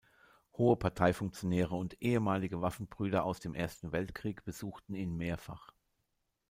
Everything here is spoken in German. Hohe Partei-Funktionäre und ehemalige Waffenbrüder aus dem Ersten Weltkrieg besuchten ihn mehrfach.